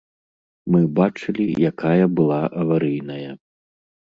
Мы бачылі, якая была аварыйная.